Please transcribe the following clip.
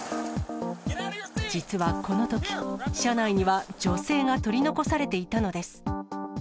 実はこのとき、車内には女性が取り残されていたのです。